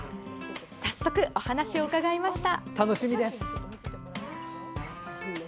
早速、お話を伺いました。